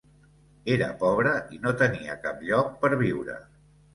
Era pobre i no tenia cap lloc per viure.